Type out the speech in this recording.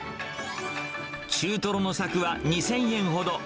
中とろの柵は２０００円ほど。